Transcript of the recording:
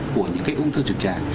của những cái ung thư trực trạng